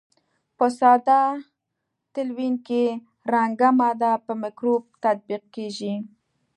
په ساده تلوین کې رنګه ماده په مکروب تطبیق کیږي.